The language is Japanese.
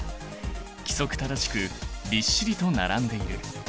規則正しくびっしりと並んでいる。